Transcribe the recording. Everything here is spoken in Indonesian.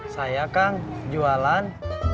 saya kang jualan